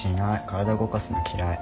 体動かすの嫌い。